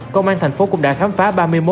công an tp hcm cũng đã khám phá